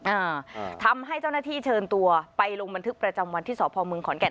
อ่าทำให้เจ้าหน้าที่เชิญตัวไปลงบันทึกประจำวันที่สพมขอนแก่น